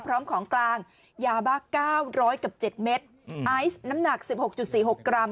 พร้อมของกลางยาบะเก้าร้อยกับเจ็ดเม็ดไอซ์น้ำหนักสิบหกจุดสี่หกกรัม